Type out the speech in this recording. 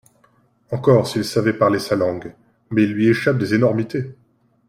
Encore s’il savait parler sa langue !… mais il lui échappe des énormités…